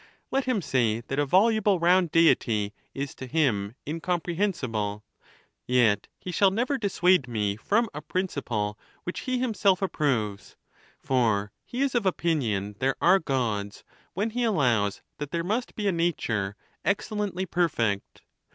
Let him say that a voluble round Deity is to him incomprehensible ; yet he shall nev er dissuade me from a principle which he himself approves, for he is of opinion there are Gods when he allows that there must be a nature excellently perfect.